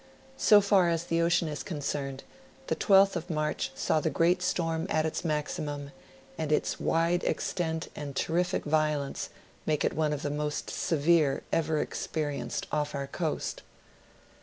So far as the ocean is concerned, the 12th of March saw the great storm at its maximum, and its wide extent and terrific violence make it one of the most severe ever experienced off our coast.